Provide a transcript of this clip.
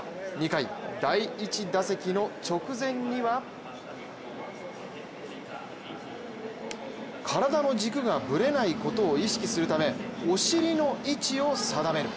２回、第１打席の直前には体の軸がぶれないことを意識するためお尻の位置を定める。